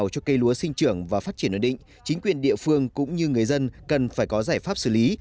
với sinh trưởng và phát triển đơn định chính quyền địa phương cũng như người dân cần phải có giải pháp xử lý